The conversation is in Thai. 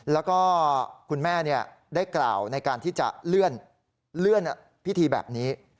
แล้วก็คุณแม่ได้กล่าวในการที่จะเลื่อนพิธีแบบนี้